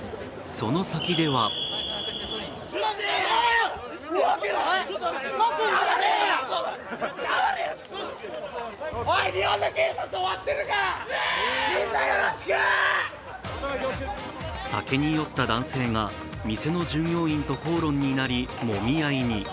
その先では酒に酔った男性が、店の従業員と口論になりもみ合いに。